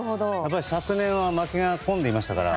昨年は負けが込んでましたから。